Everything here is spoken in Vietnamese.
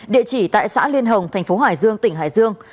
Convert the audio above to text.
địa chỉ tại xã liên hồng thành phố hải dương tỉnh hải dương